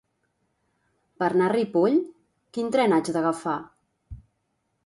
Per anar a Ripoll, quin tren haig d'agafar?